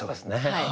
はい。